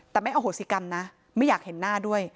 แต่ไม่อโหสิกรรมนะไม่อยากเห็นหน้าด้วย